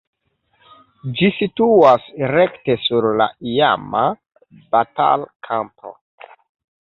Ĝi situas rekte sur la iama batalkampo.